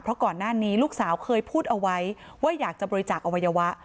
เพราะก่อนหน้านี้ลูกสาวเคยพูดเอาไว้ว่าอยากจะบริจาคอวัยวะ